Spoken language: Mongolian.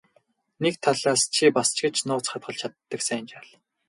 Нэг талаас чи бас ч гэж нууц хадгалж чаддаг сайн жаал.